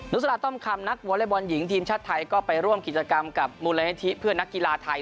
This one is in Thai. สลาต้อมคำนักวอเล็กบอลหญิงทีมชาติไทยก็ไปร่วมกิจกรรมกับมูลนิธิเพื่อนนักกีฬาไทย